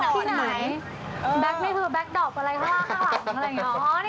ที่ไหนแบ็คนี่คือแก๊กดอปอะไรข้างล่างข้างหลังอะไรอย่างนี้